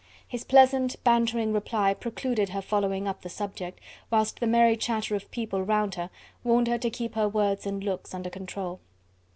His pleasant, bantering reply precluded her following up the subject, whilst the merry chatter of people round her warned her to keep her words and looks under control.